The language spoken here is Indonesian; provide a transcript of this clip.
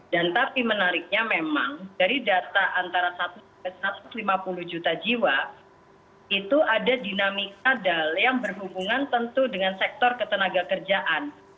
dan tapi menariknya memang dari data antara satu ratus lima puluh juta jiwa itu ada dinamika dal yang berhubungan tentu dengan sektor ketenaga kerjaan